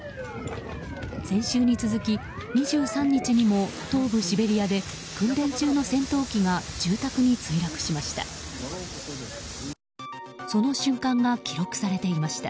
先週に続き、２３日にも東部シベリアで訓練中の戦闘機が住宅に墜落しました。